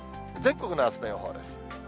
全国のあすの予報です。